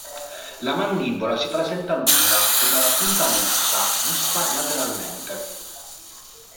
La mandibola si presenta lunga e dalla punta aguzza, vista lateralmente.